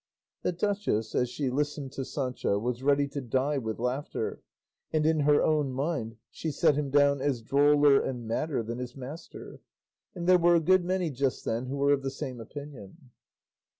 The duchess, as she listened to Sancho, was ready to die with laughter, and in her own mind she set him down as droller and madder than his master; and there were a good many just then who were of the same opinion.